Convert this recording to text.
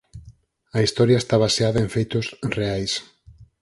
A historia está baseada en feitos reais.